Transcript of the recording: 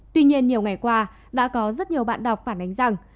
tuy nhiên nhiều ngày qua đã có rất nhiều bạn đọc phản ánh rằng